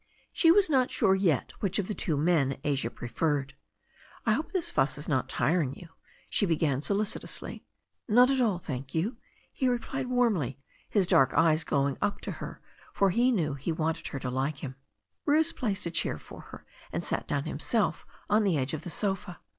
She was not sure yet which of the two men Asia preferred. 1 hope this fuss is not tiring you," she began solicitously. 'Not at all, thank you," he replied warmly, his dark eyes glowing up at her, for he knew he wanted her to like him. Bruce placed a chair for her, and sat down himself on the edge of the sofa.